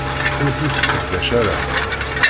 Ur t-yesseqdac ara.